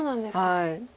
はい。